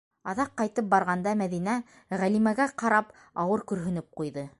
Аҙаҡ ҡайтып барғанда Мәҙинә, Ғәлимәгә ҡарап, ауыр көрһөнөп ҡуйҙы: